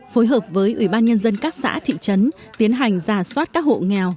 phối hợp với ủy ban nhân dân các xã thị trấn tiến hành giả soát các hộ nghèo